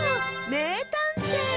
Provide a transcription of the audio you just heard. めいたんてい！